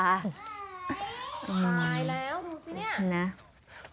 ไปแล้วดูสินี่